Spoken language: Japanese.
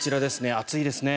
暑いですね。